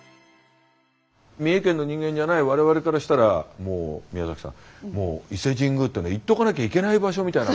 三重県の人間じゃない我々からしたら宮崎さん伊勢神宮っていうのは行っとかなきゃいけない場所みたいな。